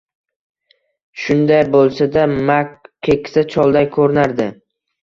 Shunday bo`lsa-da, Mak keksa cholday ko`rinardi